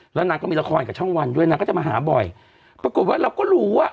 แล้วนางก็มีละครกับช่องวันด้วยนางก็จะมาหาบ่อยปรากฏว่าเราก็รู้ว่า